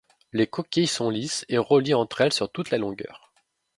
Les coquilles sont lisses et reliées entre elles sur toute la longueur.